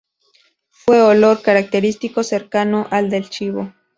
Fuerte olor, característico, cercano al del chivo.